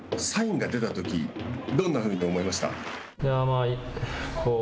サインが出たときどんなふうに思いましたか。